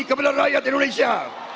kepada rakyat indonesia